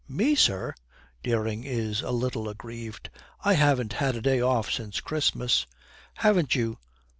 'Me, sir?' Dering is a little aggrieved. 'I haven't had a day off since Christmas.' 'Haven't you?